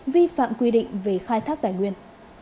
vi phạm quy định về khai thác tài nguyên